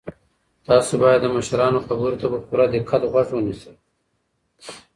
تاسو باید د مشرانو خبرو ته په پوره دقت غوږ ونیسئ.